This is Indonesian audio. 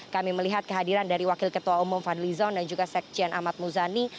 kami melihat kehadiran dari wakil ketua umum fadli zon dan juga sekjen ahmad muzani